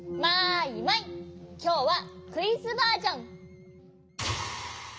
きょうはクイズバージョン。